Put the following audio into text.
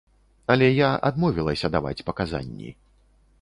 Але я адмовілася даваць паказанні.